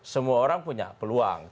semua orang punya peluang